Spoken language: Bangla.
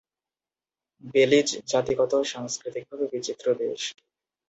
বেলিজ জাতিগত ও সাংস্কৃতিকভাবে বিচিত্র দেশ।